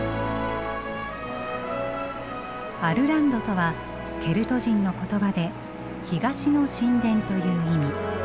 アルランドとはケルト人の言葉で東の神殿という意味。